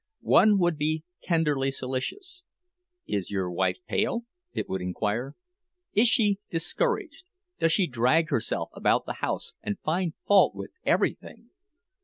One would be tenderly solicitous. "Is your wife pale?" it would inquire. "Is she discouraged, does she drag herself about the house and find fault with everything?